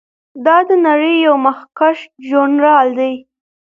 دا د نړۍ یو مخکښ ژورنال دی.